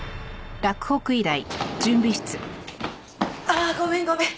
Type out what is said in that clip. あごめんごめん！